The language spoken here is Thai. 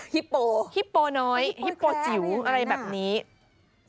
ฮิโปฮิโปน้อยฮิโปจิ๋วอะไรแบบนี้ฮิโปแคลร์อะไรอย่างนั้น